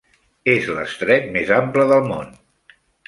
És l'estret més ample del món.